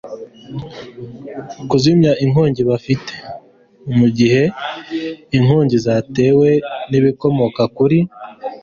kuzimya inkongi bafite. mu gihe inkongi zatewe n'ibikomoka kuri